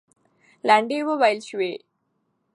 لنډۍ وویل سوې.